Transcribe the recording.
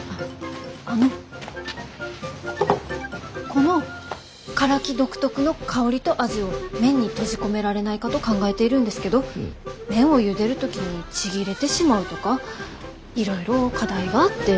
このカラキ独特の香りと味を麺に閉じ込められないかと考えているんですけど麺をゆでる時にちぎれてしまうとかいろいろ課題があって。